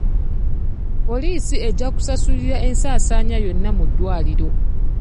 Poliisi ejja kusasulira ensaasaanya yonna mu ddwaliro.